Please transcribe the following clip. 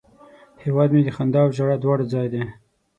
هیواد مې د خندا او ژړا دواړه ځای دی